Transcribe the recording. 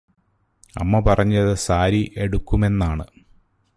അമ്മ പറഞ്ഞത് സാരി എടുക്കുമെന്നാണ്